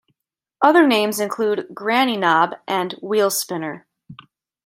Other names include "granny knob" and "wheel spinner.